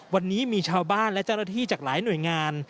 วันนี้มีชาวบ้านและเจ้าหน้าที่จากหลายหน่วยงาน